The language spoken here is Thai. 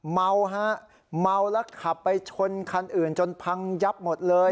เมาฮะเมาแล้วขับไปชนคันอื่นจนพังยับหมดเลย